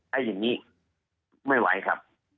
ให้อย่างนี้ไม่ไหวครับ